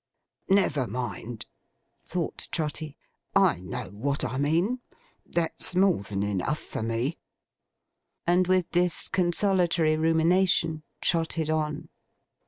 'Never mind,' thought Trotty. 'I know what I mean. That's more than enough for me.' And with this consolatory rumination, trotted on.